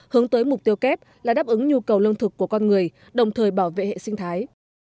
hướng tới mục tiêu kép là đáp ứng nhu cầu lương thực của con người đồng thời bảo vệ hệ sinh thái